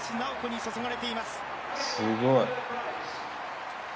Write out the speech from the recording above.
すごい。